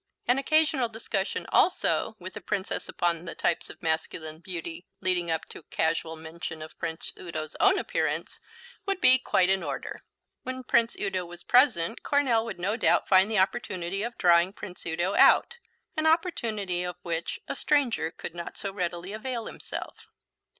An occasional discussion also with the Princess upon the types of masculine beauty, leading up to casual mention of Prince Udo's own appearance, would be quite in order. When Prince Udo was present Coronel would no doubt find the opportunity of drawing Prince Udo out, an opportunity of which a stranger could not so readily avail himself.